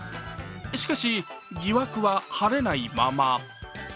しかし疑惑は晴れないまま。